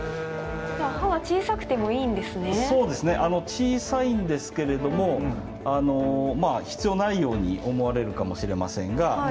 小さいんですけれども必要ないように思われるかもしれませんがこれはですね